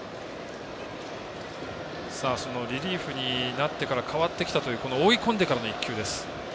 リリーフになってから変わってきたという追い込んでからの１球です。